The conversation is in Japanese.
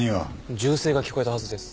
銃声が聞こえたはずです。